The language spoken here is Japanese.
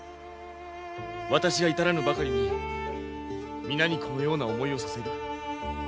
私が至らぬばかりに皆にこのような思いをさせる。